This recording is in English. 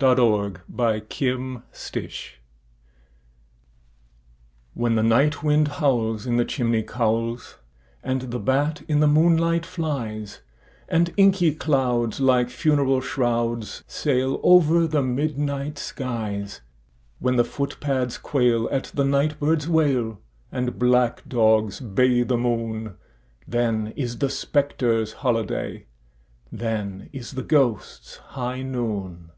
THE GHOSTS' HIGH NOON WHEN the night wind howls in the chimney cowls, and the bat in the moonlight flies, And inky clouds, like funeral shrouds, sail over the midnight skies— When the footpads quail at the night bird's wail, and black dogs bay the moon, Then is the spectres' holiday—then is the ghosts' high noon!